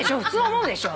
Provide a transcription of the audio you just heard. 思うでしょ？